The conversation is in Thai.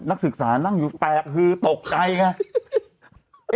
นักศึกษานั่งอยู่แบบคือหกใกล้ไง